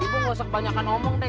ibu nggak usah banyakkan omong deh